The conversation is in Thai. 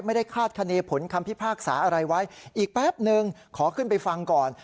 คาดคณีผลคำพิพากษาอะไรไว้อีกแป๊บนึงขอขึ้นไปฟังก่อน